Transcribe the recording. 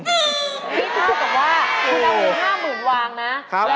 นี่เท่ากับว่าคุณเอาเงิน๕๐๐๐วางนะ